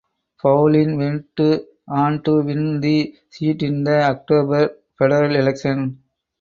Poulin went on to win the seat in the October federal election.